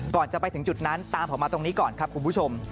ก่อนจะไปถึงจุดนั้นตามผมมาตรงนี้ก่อนครับคุณผู้ชม